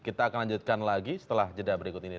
kita akan lanjutkan lagi setelah jeda berikut ini